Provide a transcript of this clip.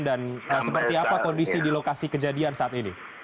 dan seperti apa kondisi di lokasi kejadian saat ini